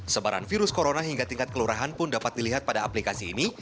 sebaran virus corona hingga tingkat kelurahan pun dapat dilihat pada aplikasi ini